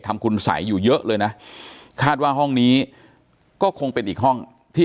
ทำคุณสัยอยู่เยอะเลยนะคาดว่าห้องนี้ก็คงเป็นอีกห้องที่